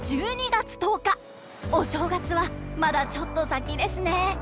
お正月はまだちょっと先ですね。